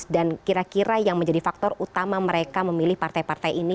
kira kira yang menjadi faktor utama mereka memilih partai partai ini